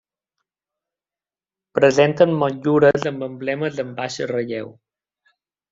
Presenten motllures amb emblemes en baix relleu.